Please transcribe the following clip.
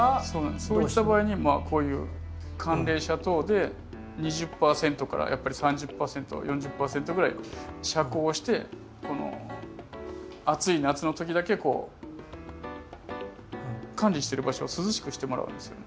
そういった場合にこういう寒冷紗等で２０％から３０％４０％ぐらい遮光をしてこの暑い夏の時だけこう管理してる場所を涼しくしてもらうんですよね。